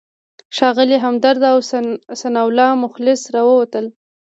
ښاغلی همدرد او ثناالله مخلص راووتل.